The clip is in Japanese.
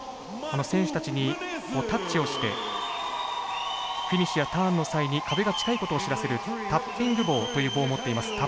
選手たちにタッチをしてフィニッシュやターンの際に壁が近いことを知らせるタッピング棒という棒を持っていますタッパー。